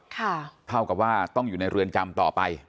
เท่ากับว่าต้องอยู่ในเรือนจำต่อไป